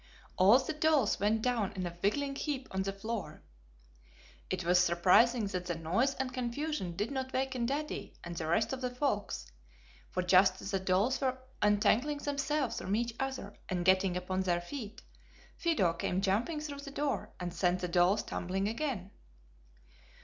All the dolls went down in a wiggling heap on the floor. It was surprising that the noise and confusion did not waken Daddy and the rest of the folks, for just as the dolls were untangling themselves from each other and getting upon their feet, Fido came jumping through the door and sent the dolls tumbling again.